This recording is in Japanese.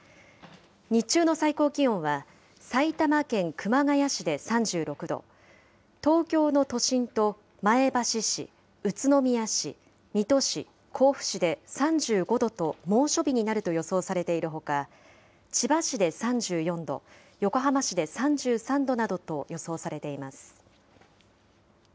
日中の最高気温は埼玉県熊谷市で３６度、東京の都心と前橋市、宇都宮市、水戸市、甲府市で３５度と猛暑日になると予想されているほか、千葉市で３４度、横浜市で３３度などと予想されています。